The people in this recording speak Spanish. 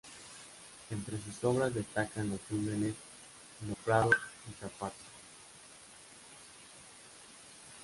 Entre sus obras destacan los Túneles Lo Prado y Zapata.